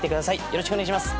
よろしくお願いします。